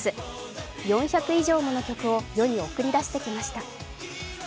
４００以上もの曲を世に送り出してきました。